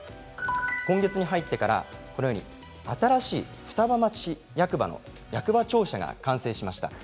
今月に入ってから新しい双葉町役場の役場庁舎が完成しました。